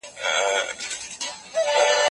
کېدای سي وخت کم وي!؟